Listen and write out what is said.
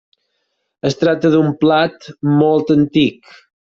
Es tracta d'un plat molt antic.